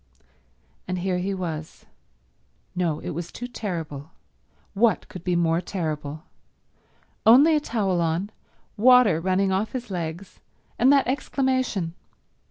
And here he was ... no, it was too terrible, what could be more terrible? Only a towel on, water running off his legs, and that exclamation.